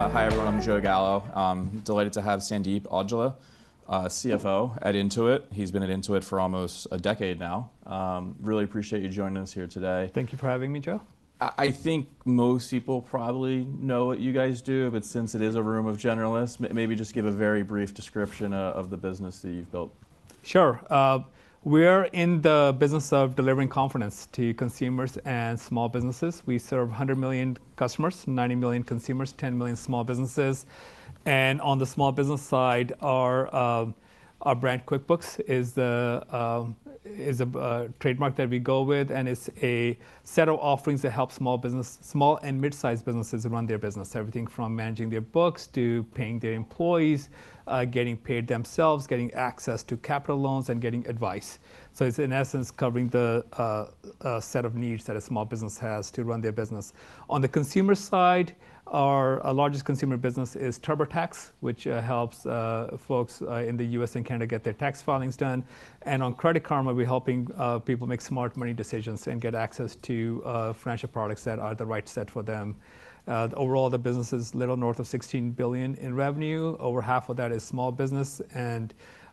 Hi, everyone. I'm Joe Gallo. I'm delighted to have Sandeep Aujla, CFO at Intuit. He's been at Intuit for almost a decade now. Really appreciate you joining us here today. Thank you for having me, Joe. I think most people probably know what you guys do, but since it is a room of generalists, maybe just give a very brief description of the business that you've built. Sure. We're in the business of delivering confidence to consumers and small businesses. We serve 100 million customers, 90 million consumers, 10 million small businesses. And on the small business side, our brand, QuickBooks, is a trademark that we go with. And it's a set of offerings that help small business, small and mid-sized businesses run their business, everything from managing their books to paying their employees, getting paid themselves, getting access to capital loans, and getting advice. So it's, in essence, covering the set of needs that a small business has to run their business. On the consumer side, our largest consumer business is TurboTax, which helps folks in the U.S. and Canada get their tax filings done. And on Credit Karma, we're helping people make smart money decisions and get access to financial products that are the right set for them. Overall, the business is a little north of $16 billion in revenue. Over half of that is small business.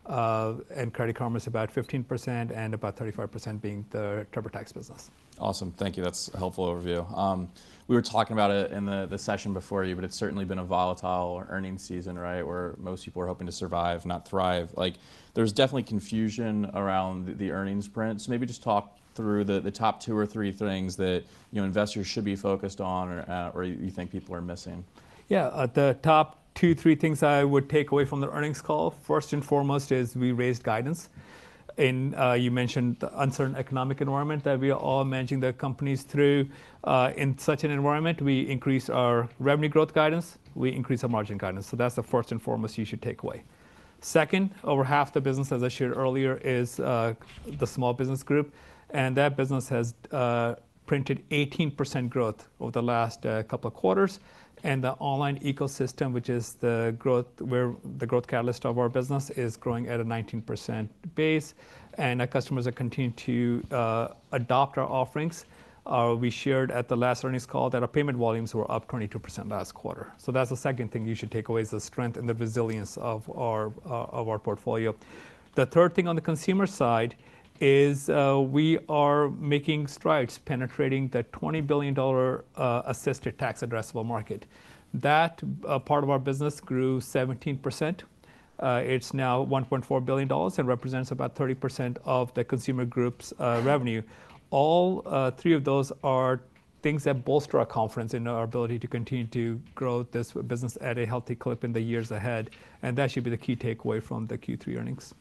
Credit Karma is about 15%, and about 35% being the TurboTax business. Awesome. Thank you. That's a helpful overview. We were talking about it in the session before you, but it's certainly been a volatile earnings season, right, where most people are hoping to survive, not thrive. There's definitely confusion around the earnings print. So maybe just talk through the top two or three things that investors should be focused on, or you think people are missing. Yeah. The top two, three things I would take away from the earnings call, first and foremost, is we raised guidance. You mentioned the uncertain economic environment that we are all managing the companies through. In such an environment, we increase our revenue growth guidance. We increase our margin guidance. That's the first and foremost you should take away. Second, over half the business, as I shared earlier, is the small business group. That business has printed 18% growth over the last couple of quarters. The online ecosystem, which is the growth, where the growth catalyst of our business is growing at a 19% base. Our customers are continuing to adopt our offerings. We shared at the last earnings call that our payment volumes were up 22% last quarter. That's the second thing you should take away, is the strength and the resilience of our portfolio. The third thing on the consumer side is we are making strides penetrating the $20 billion assisted tax addressable market. That part of our business grew 17%. It's now $1.4 billion and represents about 30% of the consumer group's revenue. All three of those are things that bolster our confidence in our ability to continue to grow this business at a healthy clip in the years ahead. That should be the key takeaway from the Q3 earnings.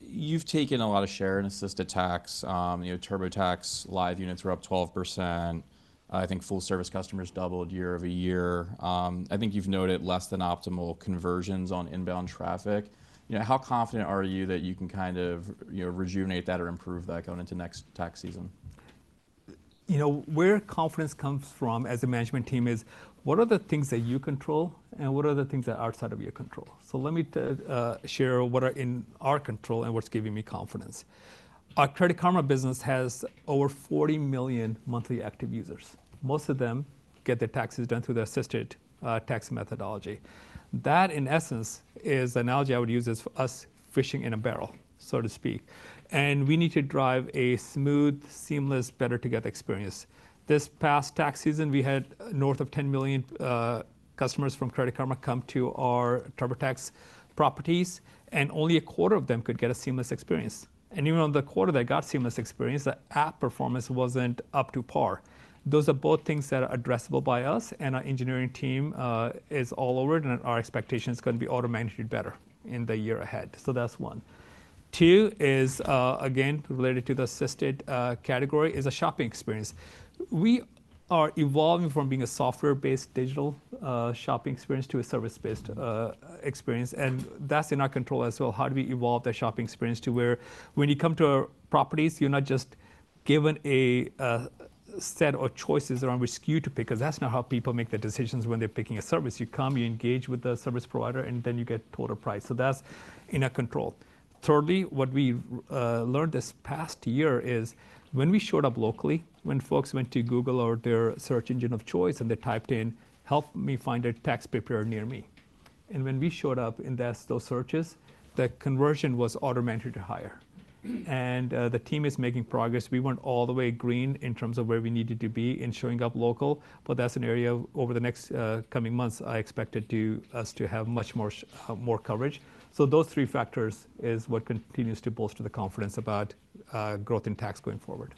You've taken a lot of share in assisted tax. TurboTax Live units were up 12%. I think full-service customers doubled year-over-year. I think you've noted less than optimal conversions on inbound traffic. How confident are you that you can kind of rejuvenate that or improve that going into next tax season? You know, where confidence comes from as a management team is, what are the things that you control? And what are the things that are outside of your control? So let me share what are in our control and what's giving me confidence. Our Credit Karma business has over 40 million monthly active users. Most of them get their taxes done through the assisted tax methodology. That, in essence, is the analogy I would use as us fishing in a barrel, so to speak. And we need to drive a smooth, seamless, better-together experience. This past tax season, we had north of 10 million customers from Credit Karma come to our TurboTax properties. And only a quarter of them could get a seamless experience. And even on the quarter that got seamless experience, the app performance wasn't up to par. Those are both things that are addressable by us. Our engineering team is all over it. Our expectations can be automated better in the year ahead. That's one. Two is, again, related to the assisted category, is a shopping experience. We are evolving from being a software-based digital shopping experience to a service-based experience. That's in our control as well. How do we evolve that shopping experience to where when you come to our properties, you're not just given a set of choices around which SKU to pick, because that's not how people make their decisions when they're picking a service. You come, you engage with the service provider, and then you get told a price. That's in our control. Thirdly, what we learned this past year is when we showed up locally, when folks went to Google or their search engine of choice and they typed in, "Help me find a tax preparer near me." When we showed up in those searches, the conversion was automatically 2x higher. The team is making progress. We weren't all the way green in terms of where we needed to be in showing up local. That's an area over the next coming months I expected us to have much more coverage. Those three factors are what continues to bolster the confidence about growth in tax going forward.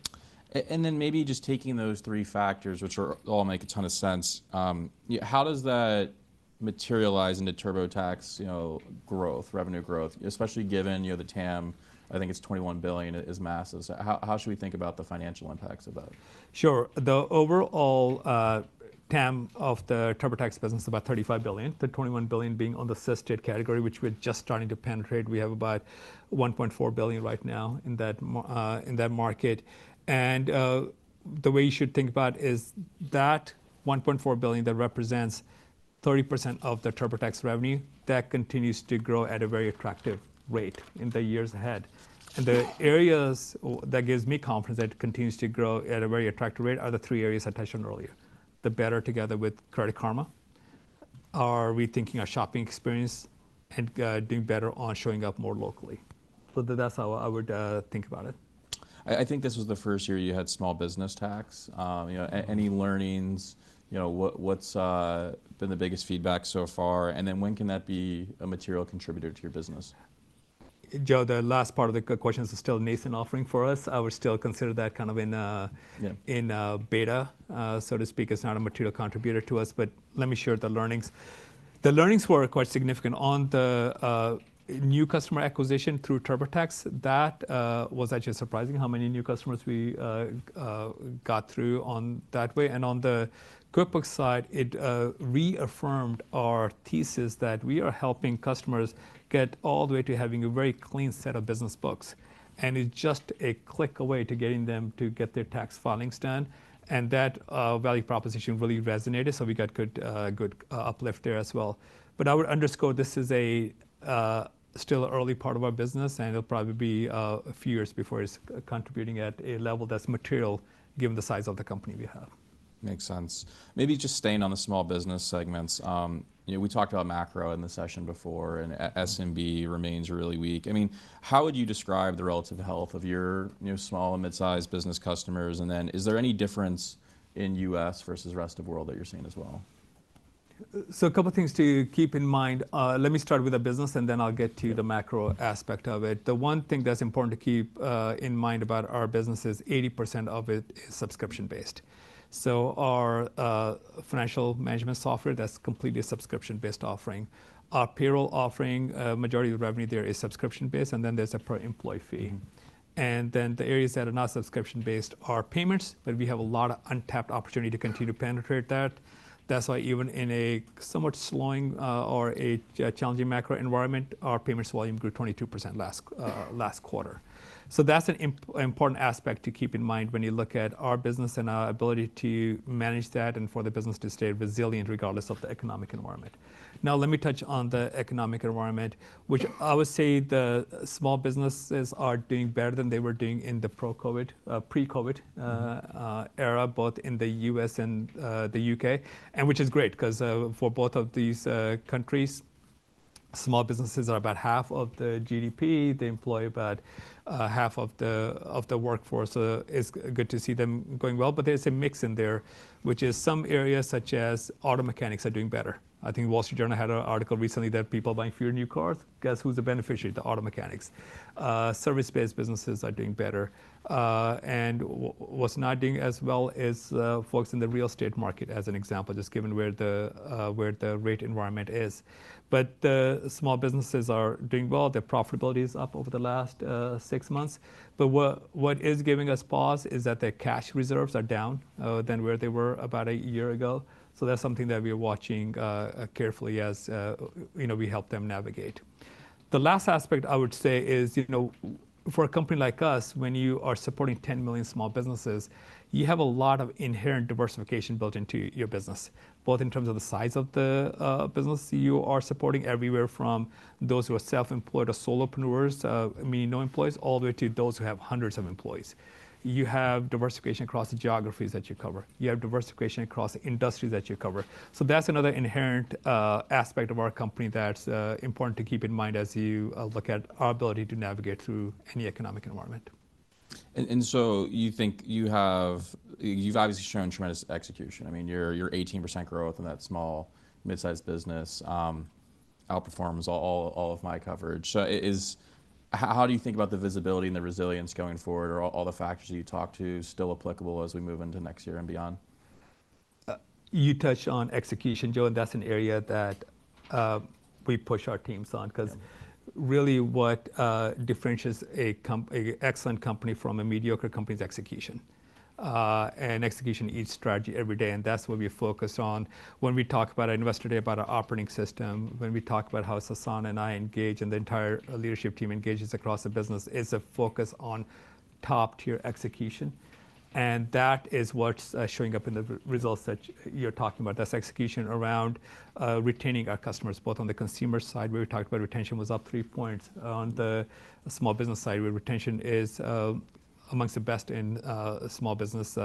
Then maybe just taking those three factors, which all make a ton of sense, how does that materialize into TurboTax growth, revenue growth, especially given the TAM, I think it's $21 billion, is massive? So how should we think about the financial impacts of that? Sure. The overall TAM of the TurboTax business is about $35 billion, the $21 billion being on the assisted category, which we're just starting to penetrate. We have about $1.4 billion right now in that market. And the way you should think about it is that $1.4 billion that represents 30% of the TurboTax revenue, that continues to grow at a very attractive rate in the years ahead. And the areas that give me confidence that it continues to grow at a very attractive rate are the three areas I touched on earlier. The better together with Credit Karma, are rethinking our shopping experience and doing better on showing up more locally. So that's how I would think about it. I think this was the first year you had small business tax. Any learnings? What's been the biggest feedback so far? And then when can that be a material contributor to your business? Joe, the last part of the questions is still nascent offering for us. I would still consider that kind of in beta, so to speak. It's not a material contributor to us. But let me share the learnings. The learnings were quite significant. On the new customer acquisition through TurboTax, that was actually surprising how many new customers we got through on that way. And on the QuickBooks side, it reaffirmed our thesis that we are helping customers get all the way to having a very clean set of business books. And it's just a click away to getting them to get their tax filings done. And that value proposition really resonated. So we got good uplift there as well. But I would underscore this is still an early part of our business. It'll probably be a few years before it's contributing at a level that's material, given the size of the company we have. Makes sense. Maybe just staying on the small business segments, we talked about macro in the session before. SMB remains really weak. I mean, how would you describe the relative health of your small and mid-sized business customers? And then is there any difference in the U.S. versus the rest of the world that you're seeing as well? So a couple of things to keep in mind. Let me start with the business, and then I'll get to the macro aspect of it. The one thing that's important to keep in mind about our business is 80% of it is subscription-based. So our financial management software, that's completely a subscription-based offering. Our payroll offering, majority of the revenue there is subscription-based. And then there's a per-employee fee. And then the areas that are not subscription-based are payments. But we have a lot of untapped opportunity to continue to penetrate that. That's why even in a somewhat slowing or a challenging macro environment, our payments volume grew 22% last quarter. So that's an important aspect to keep in mind when you look at our business and our ability to manage that and for the business to stay resilient regardless of the economic environment. Now, let me touch on the economic environment, which I would say the small businesses are doing better than they were doing in the pre-COVID era, both in the U.S. and the U.K., which is great because for both of these countries, small businesses are about half of the GDP. They employ about half of the workforce. So it's good to see them going well. But there's a mix in there, which is some areas such as auto mechanics are doing better. I think the Wall Street Journal had an article recently that people buying fewer new cars, guess who's the beneficiary? The auto mechanics. Service-based businesses are doing better. And what's not doing as well is folks in the real estate market, as an example, just given where the rate environment is. But the small businesses are doing well. Their profitability is up over the last six months. What is giving us pause is that their cash reserves are down than where they were about a year ago. So that's something that we are watching carefully as we help them navigate. The last aspect I would say is for a company like us, when you are supporting 10 million small businesses, you have a lot of inherent diversification built into your business, both in terms of the size of the business you are supporting, everywhere from those who are self-employed or solopreneurs, meaning no employees, all the way to those who have hundreds of employees. You have diversification across the geographies that you cover. You have diversification across the industries that you cover. So that's another inherent aspect of our company that's important to keep in mind as you look at our ability to navigate through any economic environment. So you think you've obviously shown tremendous execution. I mean, your 18% growth in that small, mid-sized business outperforms all of my coverage. So how do you think about the visibility and the resilience going forward? Are all the factors that you talked to still applicable as we move into next year and beyond? You touched on execution, Joe. That's an area that we push our teams on because really what differentiates an excellent company from a mediocre company is execution. Execution eats strategy every day. That's what we focus on. When we talk about our investor day, about our operating system, when we talk about how Sasan and I engage and the entire leadership team engages across the business, it's a focus on top-tier execution. That is what's showing up in the results that you're talking about. That's execution around retaining our customers, both on the consumer side, where we talked about, retention was up three points. On the small business side, where retention is among the best in the small business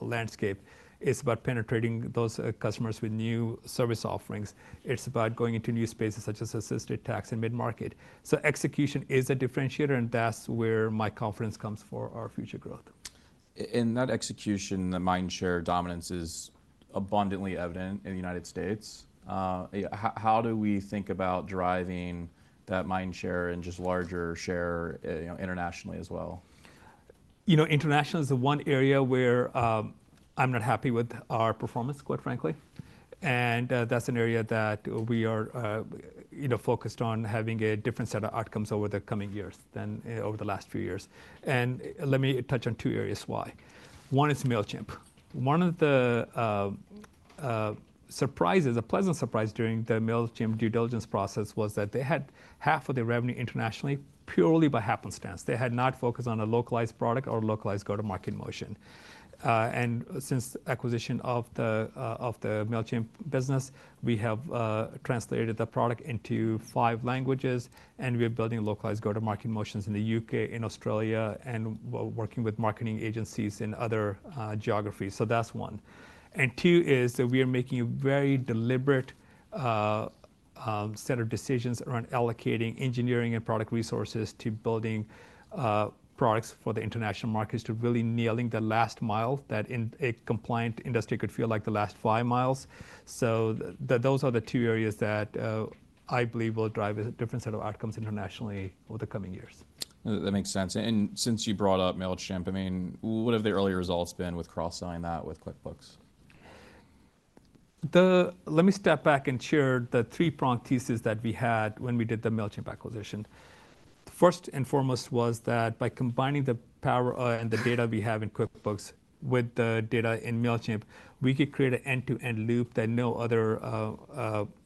landscape, it's about penetrating those customers with new service offerings. It's about going into new spaces such as assisted tax and mid-market. Execution is a differentiator. That's where my confidence comes for our future growth. That execution, the mindshare dominance is abundantly evident in the United States. How do we think about driving that mindshare and just larger share internationally as well? You know, international is the one area where I'm not happy with our performance, quite frankly. That's an area that we are focused on having a different set of outcomes over the coming years than over the last few years. Let me touch on two areas why. One is Mailchimp. One of the surprises, a pleasant surprise during the Mailchimp due diligence process was that they had half of their revenue internationally purely by happenstance. They had not focused on a localized product or a localized go-to-market motion. Since the acquisition of the Mailchimp business, we have translated the product into five languages. We are building localized go-to-market motions in the U.K., in Australia, and working with marketing agencies in other geographies. So that's one. And two is that we are making a very deliberate set of decisions around allocating engineering and product resources to building products for the international markets to really nailing the last mile that in a compliant industry could feel like the last five miles. So those are the two areas that I believe will drive a different set of outcomes internationally over the coming years. That makes sense. Since you brought up Mailchimp, I mean, what have the early results been with cross-selling that with QuickBooks? Let me step back and share the three-pronged thesis that we had when we did the Mailchimp acquisition. First and foremost was that by combining the power and the data we have in QuickBooks with the data in Mailchimp, we could create an end-to-end loop that no other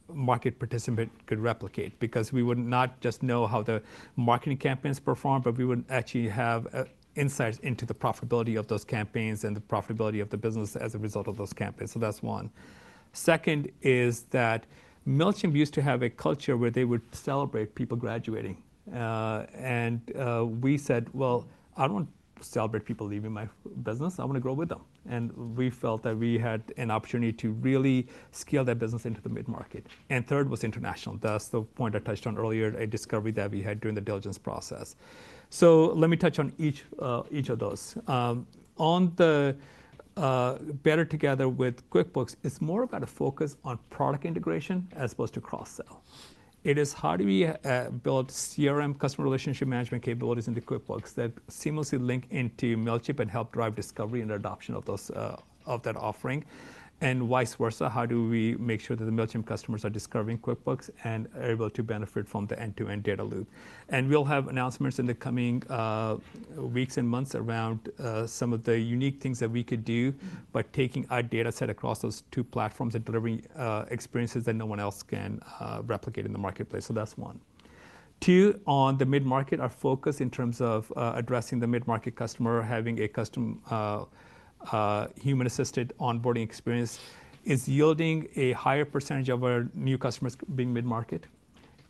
market participant could replicate because we would not just know how the marketing campaigns perform, but we would actually have insights into the profitability of those campaigns and the profitability of the business as a result of those campaigns. So that's one. Second is that Mailchimp used to have a culture where they would celebrate people graduating. And we said, well, I don't want to celebrate people leaving my business. I want to grow with them. And we felt that we had an opportunity to really scale that business into the mid-market. And third was international. That's the point I touched on earlier, a discovery that we had during the diligence process. So let me touch on each of those. On the better together with QuickBooks, it's more about a focus on product integration as opposed to cross-sell. It is how do we build CRM, customer relationship management capabilities into QuickBooks that seamlessly link into Mailchimp and help drive discovery and adoption of that offering? And vice versa, how do we make sure that the Mailchimp customers are discovering QuickBooks and able to benefit from the end-to-end data loop? And we'll have announcements in the coming weeks and months around some of the unique things that we could do by taking our data set across those two platforms and delivering experiences that no one else can replicate in the marketplace. So that's one. Two, on the mid-market, our focus in terms of addressing the mid-market customer, having a custom human-assisted onboarding experience, is yielding a higher percentage of our new customers being mid-market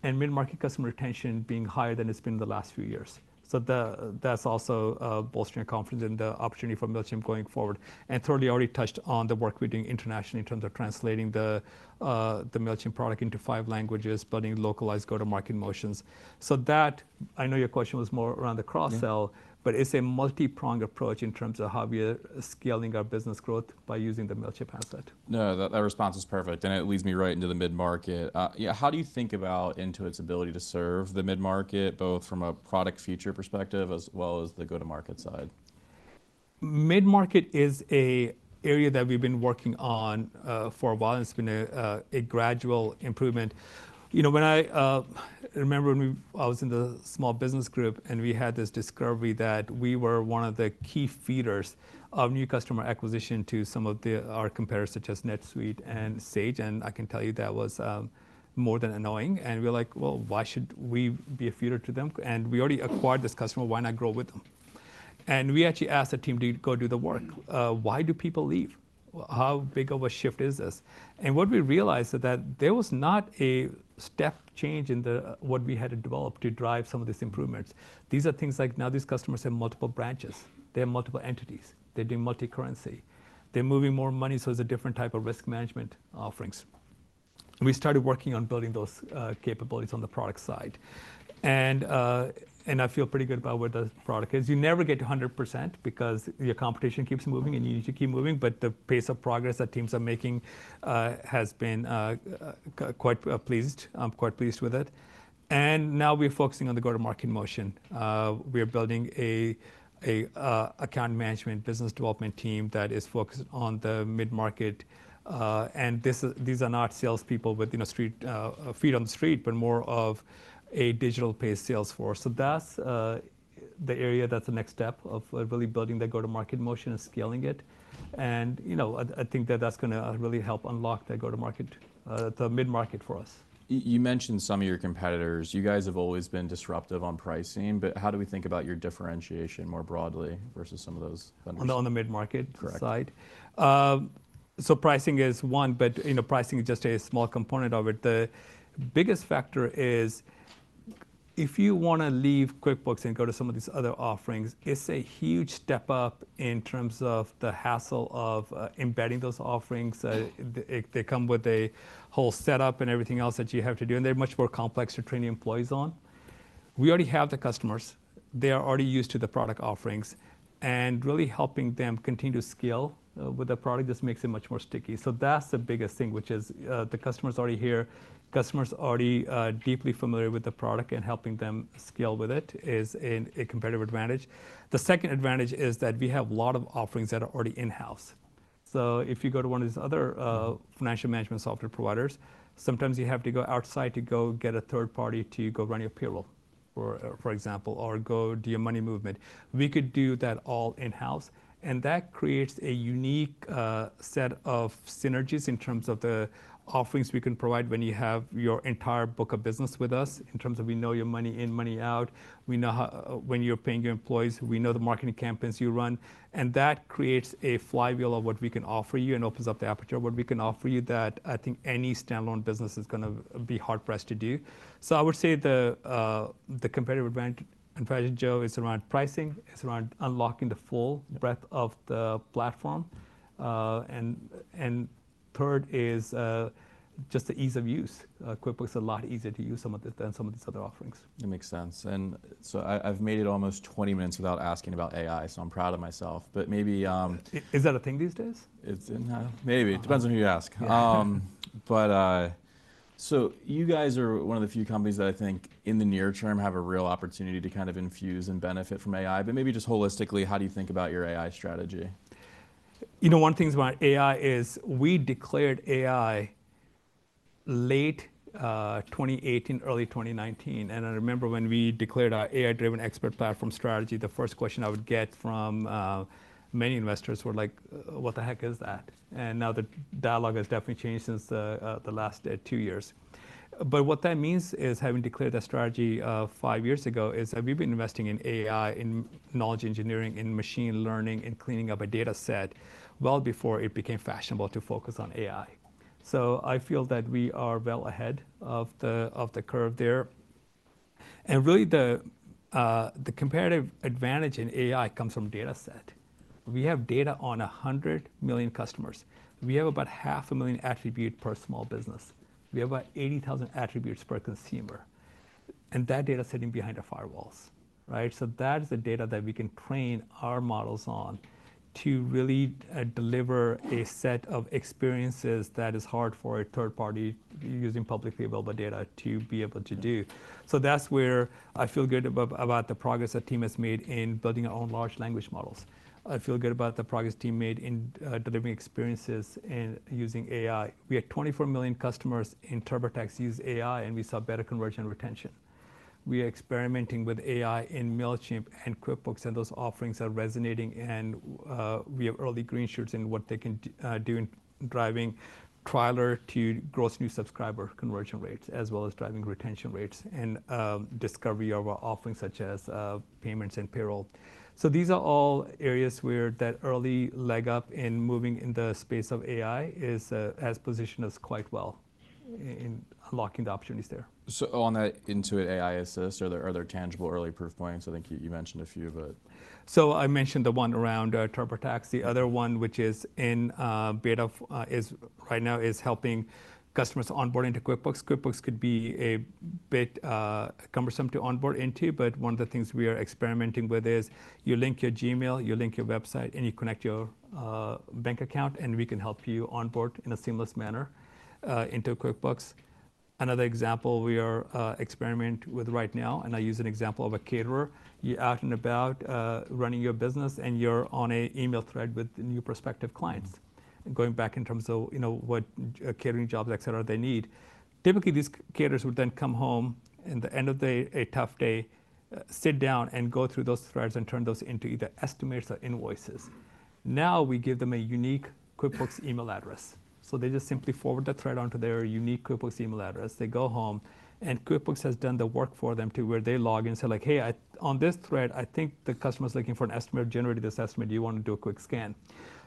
and mid-market customer retention being higher than it's been in the last few years. So that's also bolstering our confidence in the opportunity for Mailchimp going forward. And third, we already touched on the work we're doing internationally in terms of translating the Mailchimp product into five languages, building localized go-to-market motions. So that, I know your question was more around the cross-sell, but it's a multi-pronged approach in terms of how we are scaling our business growth by using the Mailchimp asset. No, that response is perfect. It leads me right into the mid-market. How do you think about Intuit's ability to serve the mid-market, both from a product feature perspective as well as the go-to-market side? Mid-market is an area that we've been working on for a while. It's been a gradual improvement. You know, when I remember when I was in the small business group and we had this discovery that we were one of the key feeders of new customer acquisition to some of our competitors, such as NetSuite and Sage. I can tell you that was more than annoying. We were like, well, why should we be a feeder to them? We already acquired this customer. Why not grow with them? We actually asked the team, go do the work. Why do people leave? How big of a shift is this? What we realized is that there was not a step change in what we had developed to drive some of these improvements. These are things like now these customers have multiple branches. They have multiple entities. They're doing multi-currency. They're moving more money. So it's a different type of risk management offerings. We started working on building those capabilities on the product side. And I feel pretty good about where the product is. You never get to 100% because your competition keeps moving and you need to keep moving. But the pace of progress that teams are making has been quite pleased. I'm quite pleased with it. And now we're focusing on the go-to-market motion. We are building an account management business development team that is focused on the mid-market. And these are not salespeople with feet on the street, but more of a digital-based sales force. So that's the area that's the next step of really building the go-to-market motion and scaling it. And I think that that's going to really help unlock the go-to-market, the mid-market for us. You mentioned some of your competitors. You guys have always been disruptive on pricing. But how do we think about your differentiation more broadly versus some of those vendors? On the mid-market side. Correct. Pricing is one. Pricing is just a small component of it. The biggest factor is if you want to leave QuickBooks and go to some of these other offerings, it's a huge step up in terms of the hassle of embedding those offerings. They come with a whole setup and everything else that you have to do. They're much more complex to train your employees on. We already have the customers. They are already used to the product offerings. Really helping them continue to scale with the product just makes it much more sticky. That's the biggest thing, which is the customer's already here. Customer's already deeply familiar with the product. Helping them scale with it is a competitive advantage. The second advantage is that we have a lot of offerings that are already in-house. So if you go to one of these other financial management software providers, sometimes you have to go outside to go get a third party to go run your payroll, for example, or go do your money movement. We could do that all in-house. And that creates a unique set of synergies in terms of the offerings we can provide when you have your entire book of business with us in terms of we know your money in, money out. We know when you're paying your employees. We know the marketing campaigns you run. And that creates a flywheel of what we can offer you and opens up the aperture of what we can offer you that I think any standalone business is going to be hard-pressed to do. So I would say the competitive advantage, Joe, is around pricing. It's around unlocking the full breadth of the platform. And third is just the ease of use. QuickBooks is a lot easier to use than some of these other offerings. That makes sense. I've made it almost 20 minutes without asking about AI. I'm proud of myself. Maybe. Is that a thing these days? It's in-house. Maybe. It depends on who you ask. But so you guys are one of the few companies that I think in the near term have a real opportunity to kind of infuse and benefit from AI. But maybe just holistically, how do you think about your AI strategy? You know, one thing about AI is we declared AI late 2018, early 2019. And I remember when we declared our AI-driven expert platform strategy, the first question I would get from many investors were like, what the heck is that? And now the dialogue has definitely changed since the last two years. But what that means is having declared that strategy five years ago is that we've been investing in AI, in knowledge engineering, in machine learning, in cleaning up a data set well before it became fashionable to focus on AI. So I feel that we are well ahead of the curve there. And really, the competitive advantage in AI comes from data set. We have data on 100 million customers. We have about 500,000 attributes per small business. We have about 80,000 attributes per consumer. And that data is sitting behind our firewalls, right? So that is the data that we can train our models on to really deliver a set of experiences that is hard for a third party using publicly available data to be able to do. So that's where I feel good about the progress the team has made in building our own large language models. I feel good about the progress the team made in delivering experiences and using AI. We had 24 million customers in TurboTax use AI. And we saw better conversion retention. We are experimenting with AI in Mailchimp and QuickBooks. And those offerings are resonating. And we have early green shoots in what they can do in driving trial to gross new subscriber conversion rates as well as driving retention rates and discovery of our offerings such as payments and payroll. These are all areas where that early leg up in moving in the space of AI has positioned us quite well in unlocking the opportunities there. So on that Intuit AI Assist, are there tangible early proof points? I think you mentioned a few, but. So I mentioned the one around TurboTax. The other one, which is in beta, is right now helping customers onboard into QuickBooks. QuickBooks could be a bit cumbersome to onboard into. But one of the things we are experimenting with is you link your Gmail, you link your website, and you connect your bank account. And we can help you onboard in a seamless manner into QuickBooks. Another example we are experimenting with right now, and I use an example of a caterer. You're out and about running your business. And you're on an email thread with new prospective clients and going back in terms of what catering jobs, et cetera, they need. Typically, these caterers would then come home at the end of a tough day, sit down, and go through those threads and turn those into either estimates or invoices. Now we give them a unique QuickBooks email address. So they just simply forward the thread onto their unique QuickBooks email address. They go home. And QuickBooks has done the work for them to where they log in. So like, hey, on this thread, I think the customer's looking for an estimate. Generate this estimate. Do you want to do a quick scan?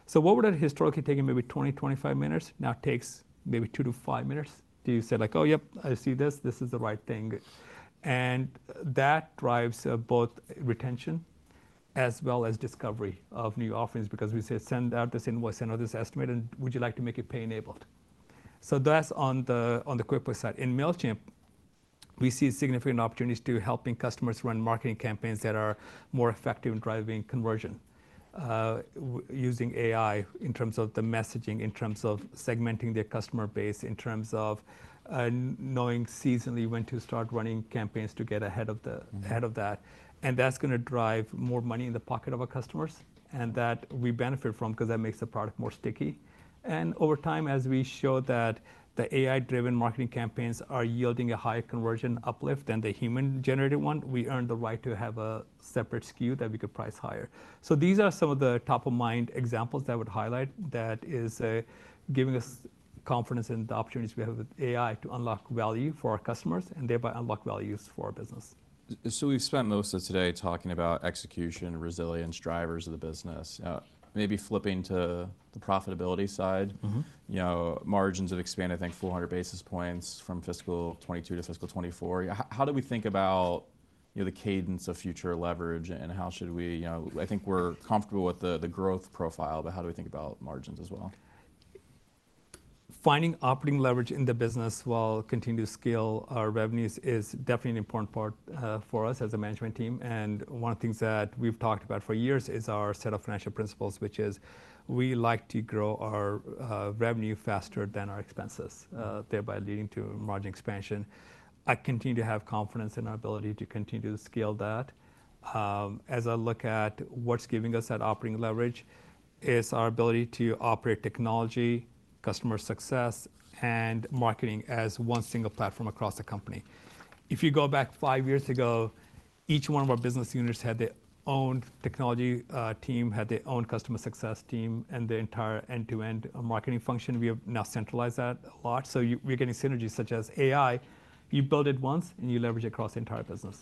So what would have historically taken maybe 20-25 minutes now takes maybe 2-5 minutes to say like, oh, yep, I see this. This is the right thing. And that drives both retention as well as discovery of new offerings because we say send out this invoice, send out this estimate. And would you like to make it pay-enabled? So that's on the QuickBooks side. In Mailchimp, we see significant opportunities to helping customers run marketing campaigns that are more effective in driving conversion using AI in terms of the messaging, in terms of segmenting their customer base, in terms of knowing seasonally when to start running campaigns to get ahead of that. And that's going to drive more money in the pocket of our customers. And that we benefit from because that makes the product more sticky. And over time, as we show that the AI-driven marketing campaigns are yielding a higher conversion uplift than the human-generated one, we earn the right to have a separate SKU that we could price higher. So these are some of the top-of-mind examples that I would highlight that is giving us confidence in the opportunities we have with AI to unlock value for our customers and thereby unlock value for our business. So we've spent most of today talking about execution, resilience, drivers of the business. Maybe flipping to the profitability side. Margins have expanded, I think, 400 basis points from fiscal 2022 to fiscal 2024. How do we think about the cadence of future leverage? And how should we? I think we're comfortable with the growth profile. But how do we think about margins as well? Finding operating leverage in the business while continuing to scale our revenues is definitely an important part for us as a management team. One of the things that we've talked about for years is our set of financial principles, which is we like to grow our revenue faster than our expenses, thereby leading to margin expansion. I continue to have confidence in our ability to continue to scale that. As I look at what's giving us that operating leverage is our ability to operate technology, customer success, and marketing as one single platform across the company. If you go back five years ago, each one of our business units had their own technology team, had their own customer success team, and the entire end-to-end marketing function. We have now centralized that a lot. We're getting synergies such as AI. You build it once, and you leverage it across the entire business.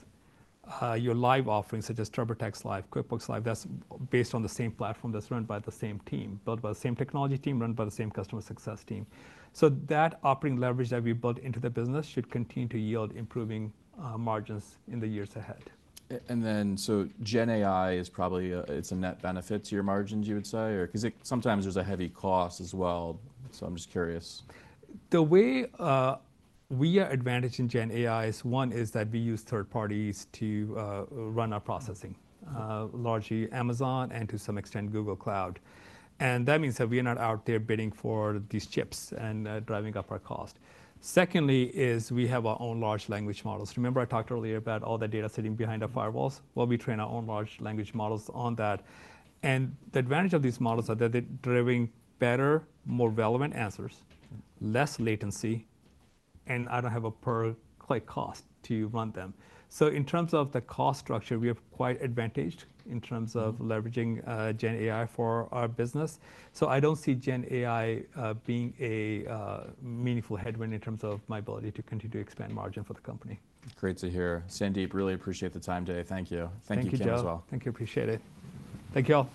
Your live offerings, such as TurboTax Live, QuickBooks Live, that's based on the same platform that's run by the same team, built by the same technology team, run by the same customer success team. So that operating leverage that we built into the business should continue to yield improving margins in the years ahead. Gen AI is probably a net benefit to your margins, you would say? Because sometimes there's a heavy cost as well. I'm just curious. The way we are advantaged in Gen AI is one is that we use third parties to run our processing, largely Amazon and to some extent Google Cloud. That means that we are not out there bidding for these chips and driving up our cost. Secondly is we have our own large language models. Remember I talked earlier about all the data sitting behind our firewalls? Well, we train our own large language models on that. The advantage of these models is that they're driving better, more relevant answers, less latency, and I don't have a per-click cost to run them. In terms of the cost structure, we are quite advantaged in terms of leveraging Gen AI for our business. I don't see Gen AI being a meaningful headwind in terms of my ability to continue to expand margin for the company. Great to hear. Sandeep, really appreciate the time today. Thank you. Thank you, John, as well. Thank you. Thank you. Appreciate it. Thank you all.